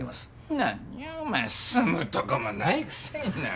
何をお前住むとこもないくせに何を。